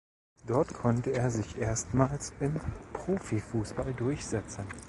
Dort konnte er sich erstmals im Profifußball durchsetzen.